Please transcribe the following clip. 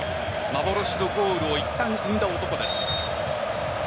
幻のゴールをいったん生んだ男です。